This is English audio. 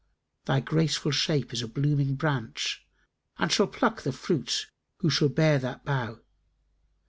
Thy graceful shape is a blooming branch, * And shall pluck the fruits who shall bear that bough.